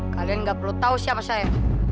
kalian nggak perlu tahu siapa saya